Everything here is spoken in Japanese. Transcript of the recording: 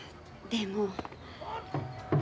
でも。